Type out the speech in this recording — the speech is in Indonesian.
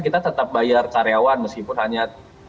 kita tetap bayar karyawan meskipun hanya